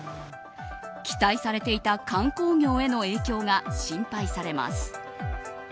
期待されていた観光業への影響が心配されます。